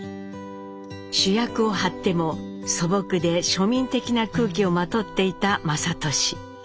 主役を張っても素朴で庶民的な空気をまとっていた雅俊。